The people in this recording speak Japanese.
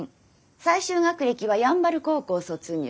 最終学歴は山原高校卒業。